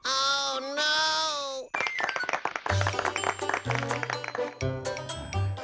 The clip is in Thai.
โอ้ไม่